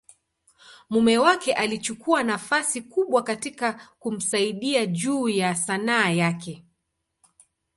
mume wake alichukua nafasi kubwa katika kumsaidia juu ya Sanaa yake.